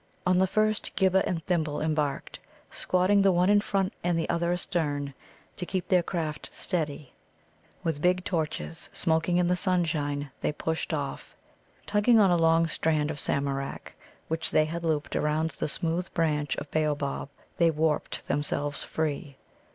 On the first Ghibba and Thimble embarked, squatting the one in front and the other astern, to keep their craft steady. With big torches smoking in the sunshine, they pushed off. Tugging on a long strand of Samarak which they had looped around the smooth branch of a Boobab, they warped themselves free.